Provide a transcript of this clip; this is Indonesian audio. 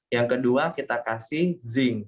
yang kedua kita kasih zinc